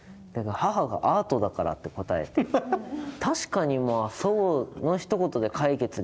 母が「アートだから」と答えて確かにそのひと言で解決できるけど。